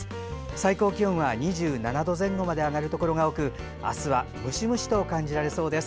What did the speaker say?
最高気温は２７度前後まで上がるところが多くあすはムシムシと感じられそうです。